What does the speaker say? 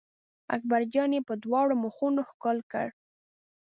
اکبر جان یې په دواړو مخونو ښکل کړ.